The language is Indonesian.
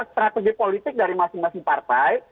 strategi politik dari masing masing partai